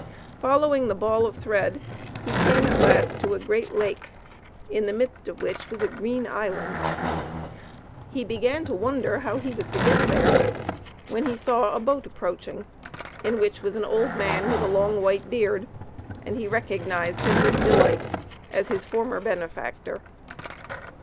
Following the ball of thread he came at last to a great lake, in the midst of which was a green island. He began to wonder how he was to get there, when he saw a boat approaching, in which was an old man, with a long white beard, and he recognized him with delight, as his former benefactor.